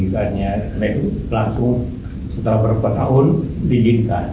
karena itu langsung setelah beberapa tahun dihintar